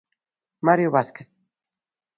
Mario Vázquez.